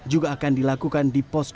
juga akan dilakukan di bekasi jawa barat